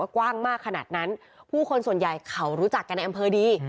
กว้างมากขนาดนั้นผู้คนส่วนใหญ่เขารู้จักกันในอำเภอดี